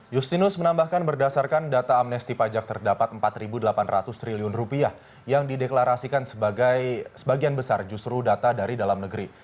justinus menambahkan berdasarkan data amnesti pajak terdapat rp empat delapan ratus triliun rupiah yang dideklarasikan sebagai sebagian besar justru data dari dalam negeri